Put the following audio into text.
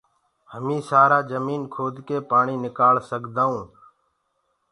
هميٚ سآرآ جميٚن کود ڪي پآڻي نڪآݪ سگدآهونٚ